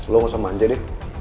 lo gak usah manja deh